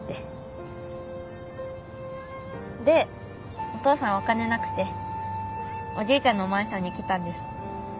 でお父さんお金なくておじいちゃんのマンションに来たんです。